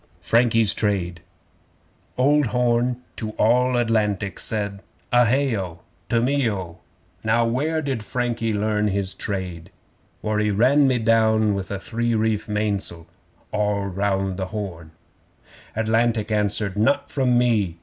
Frankie's Trade Old Horn to All Atlantic said: (A hay O! To me O!) 'Now where did Frankie learn his trade? For he ran me down with a three reef mains'le.' (All round the Horn!) Atlantic answered: 'Not from me!